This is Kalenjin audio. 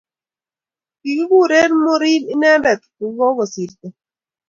Kikuren morin inendet ko kosirto